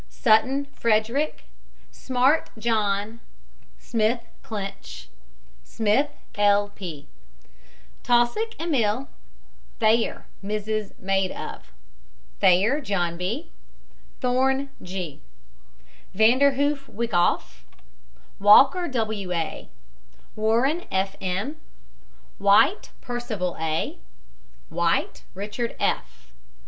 SUTTON, FREDERICK. SMART, JOHN M. SMITH, CLINCH. SMITET, R. W. SMITH, L. P. TAUSSIC, EMIL. THAYER, MRS., maid of. THAYER, JOHN B. THORNE, G. VANDERHOOF, WYCKOFF. WALKER, W. A. WARREN, F. M. WHITE, PERCIVAL A. WHITE, RICHARD F.